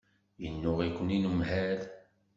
Yennuɣ-iken unemhal.